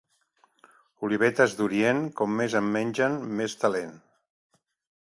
Olivetes d'orient, com més en mengen, més talent.